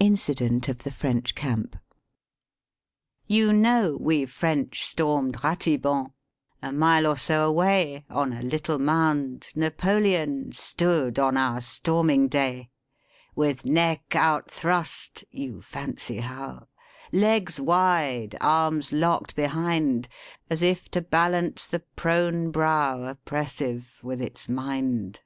212 DRAMATIC MONOLOGUE AND PLAY INCIDENT OF THE FRENCH CAMP "You know, we French stormed Ratisbon: A mile or so away, On a little mound, Napoleon Stood on our storming day ; With neck out thrust, you fancy how, Legs wide, arms locked behind, As if to balance the prone brow Oppressive with its mind.